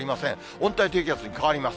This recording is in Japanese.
温帯低気圧に変わります。